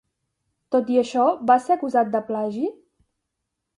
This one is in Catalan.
Tot i això, va ser acusat de plagi?